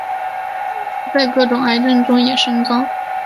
它在各种癌症中也升高。